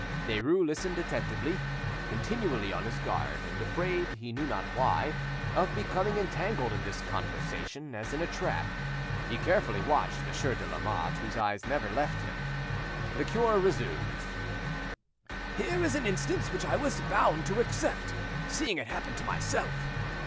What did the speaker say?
Derues listened attentively, continually on his guard; and afraid, he knew not why, of becoming entangled in this conversation, as in a trap. He carefully watched Monsieur de Lamotte, whose eyes never left him. The cure resumed— "Here is an instance which I was bound to accept, seeing it happened to myself.